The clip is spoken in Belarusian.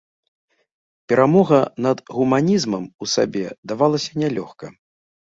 Перамога над гуманізмам у сабе давалася нялёгка.